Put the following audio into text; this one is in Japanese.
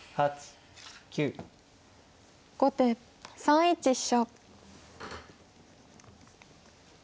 後手３一飛車。